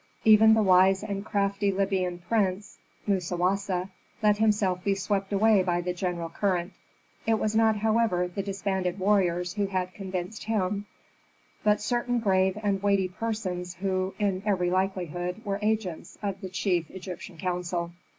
Even the wise and crafty Libyan prince, Musawasa, let himself be swept away by the general current. It was not, however, the disbanded warriors who had convinced him, but certain grave and weighty persons who, in every likelihood, were agents of the chief Egyptian council.